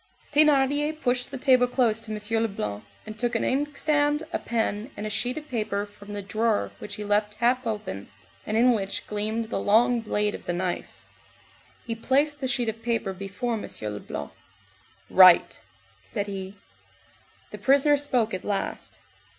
Thénardier pushed the table close to M. Leblanc, and took an inkstand, a pen, and a sheet of paper from the drawer which he left half open, and in which gleamed the long blade of the knife. He placed the sheet of paper before M. Leblanc. "Write," said he. The prisoner spoke at last.